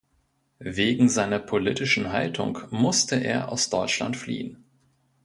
Wegen seiner politischen Haltung musste er aus Deutschland fliehen.